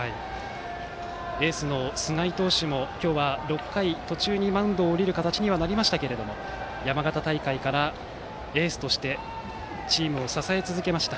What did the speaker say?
エースの菅井投手も今日は６回途中でマウンドを降りる形にはなりましたけれども山形大会から、エースとしてチームを支え続けました。